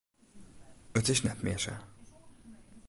It is net mear sa.